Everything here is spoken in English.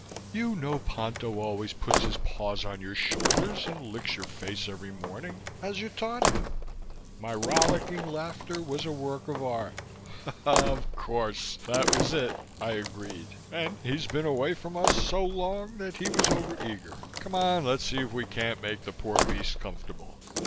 "You know Ponto always puts his paws on your shoulders and licks your face every morning, as you taught him." My rollicking laughter was a work of art. "Of course, that was it," I agreed, "and he'd been away from us so long that he was over eager. Come on, let's see if we can't make the poor beast comfortable."